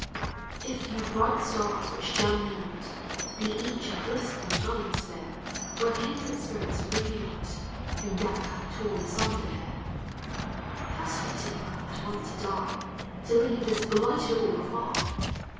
If yon bright stars which gem the night Be each a blissful dwelling sphere Where kindred spirits reunite Whom death hath torn asunder here, How sweet it were at once to die, To leave this blighted orb afar!